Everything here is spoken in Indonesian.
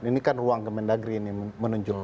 ini kan ruang ke mendagri ini menunjukkan